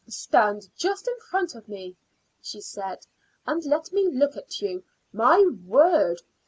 "Stand just in front of me," she said, "and let me look at you. My word!